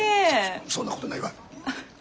そそんなことないわ！